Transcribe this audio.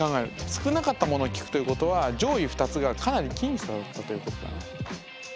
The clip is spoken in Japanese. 少なかったものを聞くということは上位２つがかなり僅差だったということだな。